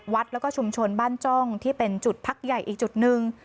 วัดแล้วก็ชุมชนบ้านจ้องที่เป็นจุดพักใหญ่อีกจุดหนึ่ง